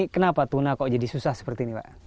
kenapa tuna kok jadi susah seperti ini pak